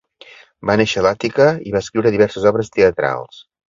Va néixer a l'Àtica, i va escriure diverses obres teatrals.